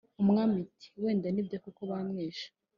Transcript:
Umwami ati «wenda nibyo koko bamwishe,